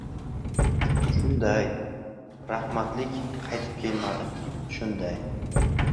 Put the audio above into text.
— Shunday, rahmatlik qaytib kelmadi, shunday.